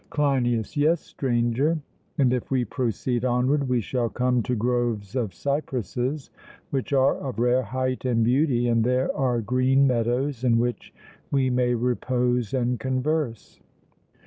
CLEINIAS: Yes, Stranger, and if we proceed onward we shall come to groves of cypresses, which are of rare height and beauty, and there are green meadows, in which we may repose and converse.